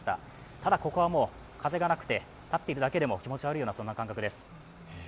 ただここはもう風がなくて立っているだけでも気持ち悪いような、そんな感覚です。